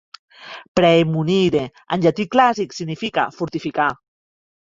"Praemunire", en llatí clàssic, significa "fortificar".